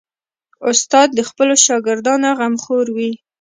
استاد د خپلو شاګردانو غمخور وي.